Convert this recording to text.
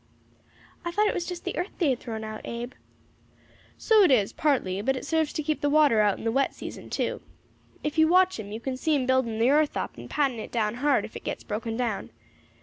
"I thought it was just the earth they had thrown out, Abe." "So it is, partly; but it serves to keep the water out in the wet season too. If you watch 'em you can see 'em building the earth up and patting it down hard if it gets broken down.